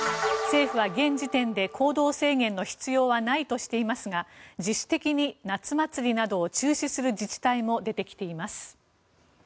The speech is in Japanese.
政府は現時点で行動制限の必要はないとしていますが自主的に夏祭りなどを中止する自治体も出てきています。